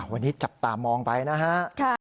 วันนี้จับตามองไปนะฮะ